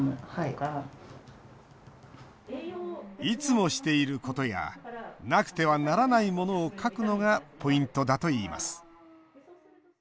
いつもしていることやなくてはならないものを書くのがポイントだといいます。